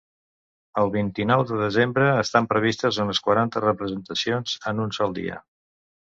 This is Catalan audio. El vint-i-nou de desembre estan previstes unes quaranta representacions en un sol dia.